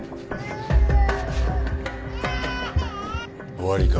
・終わりか？